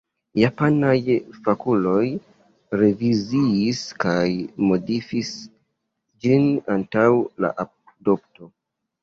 Japanaj fakuloj reviziis kaj modifis ĝin antaŭ la adopto.